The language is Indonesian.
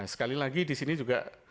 sekali lagi di sini juga